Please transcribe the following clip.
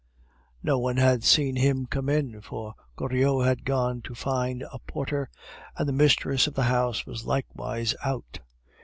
No one had seen him come in, for Goriot had gone to find a porter, and the mistress of the house was likewise out.